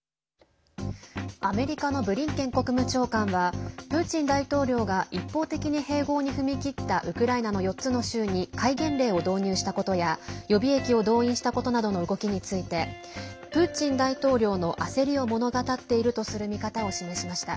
アメリカのブリンケン国務長官はプーチン大統領が一方的に併合に踏み切ったウクライナの４つの州に戒厳令を導入したことや予備役を動員したことなどの動きについてプーチン大統領の焦りを物語っているとする見方を示しました。